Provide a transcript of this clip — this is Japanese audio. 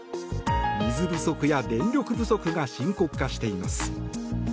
水不足や電力不足が深刻化しています。